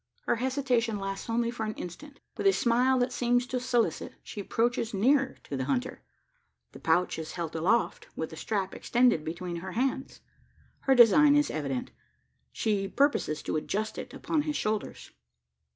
Her hesitation lasts only for an instant. With a smile that seems to solicit, she approaches nearer to the hunter. The pouch is held aloft, with the strap extended between her hands. Her design is evident she purposes to adjust it upon his shoulders.